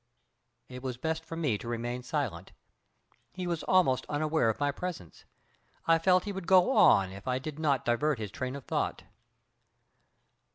It was best for me to remain silent. He was almost unaware of my presence. I felt he would go on if I did not divert his train of thought.